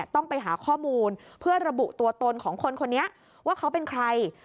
ต้องไปหาข้อมูลเพื่อระบุตัวตนของคนคนนี้ว่าเขาเป็นใคร